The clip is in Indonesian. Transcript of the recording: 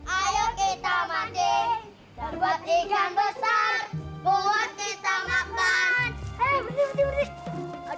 ayo kita mati dan buat ikan besar buat kita makban